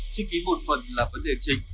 chính ký một phần là vấn đề chính